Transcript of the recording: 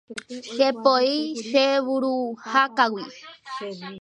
chepoi che vuruhákagui